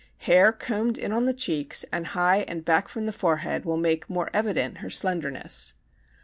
Hair combed in on the cheeks and high and back from the forehead will make more evident her slenderness.